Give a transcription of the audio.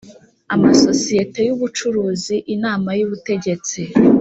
amasosiyete y ubucuruzi Inama y Ubutegetsi